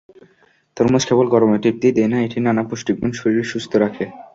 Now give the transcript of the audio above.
তরমুজ কেবল গরমে তৃপ্তিই দেয় না, এটির নানা পুষ্টিগুণ শরীর সুস্থ রাখে।